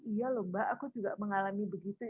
iya lho mbak aku juga mengalami begitu